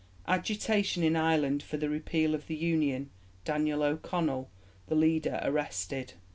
Agitation in Ireland for the Repeal of the Union. Daniel O'Connell, the leader, arrested.